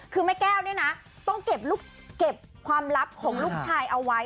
คือแม่แก้วเนี่ยนะต้องเก็บความลับของลูกชายเอาไว้